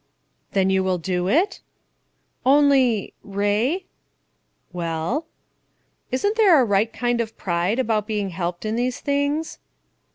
"Then you will do it?" "Only, Ray?" "Well?" "Isn't there a right kind of pride, about being helped in these things?"